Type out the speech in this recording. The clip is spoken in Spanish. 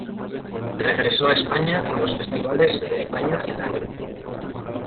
Regresó a España, con los "Festivales de España" en La Coruña.